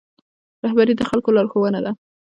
رهبري د خلکو لارښوونه ده